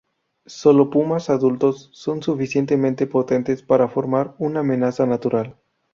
Solo pumas adultos son suficientemente potentes para formar una amenaza natural.